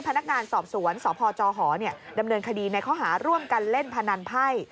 พนักงานสอบสวนสพจหดำเนินคดีในข้อหาร่วมกันเล่นพนันไพ่